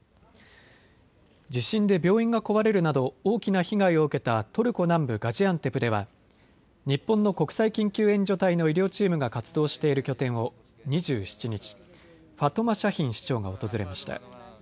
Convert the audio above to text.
地震で病院が壊れるなど大きな被害を受けたトルコ南部ガジアンテプでは日本の国際緊急援助隊の医療チームが活動している拠点を２７日、ファトマ・シャヒン市長が訪れました。